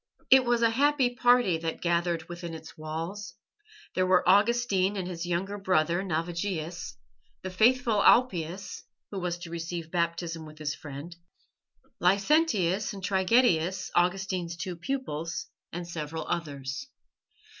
It was a happy party that gathered within its walls. There were Augustine and his younger brother Navigius; the faithful Alypius, who was to receive Baptism with his friend; Licentius and Trigetius, Augustine's two pupils; and several others.